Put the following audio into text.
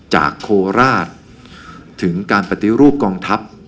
โคราชถึงการปฏิรูปกองทัพ